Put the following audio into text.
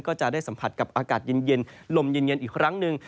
ก็จะได้สัมผัสกับอากาศเย็นลมเย็นอีกครั้งหนึ่ง